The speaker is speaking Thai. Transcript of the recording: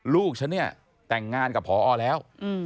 ลูกฉันเนี่ยแต่งงานกับพอแล้ว